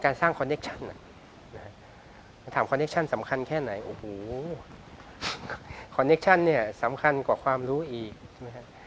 สร้างคอนเคชั่นถามคอนเคชั่นสำคัญแค่ไหนโอ้โหคอนเนคชั่นเนี่ยสำคัญกว่าความรู้อีกใช่ไหมฮะ